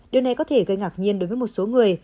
điều này có thể gây ngạc nhiên đối với một số người